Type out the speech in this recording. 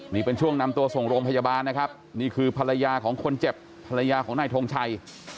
นี่เป็นช่วงนำตัวส่งโรงพยาบาลนะครับนี่คือภรรยาของคนเจ็บภรรยาของนายทงชัย